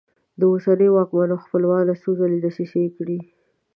د اوسني واکمن خپلوانو څو ځله دسیسې کړي.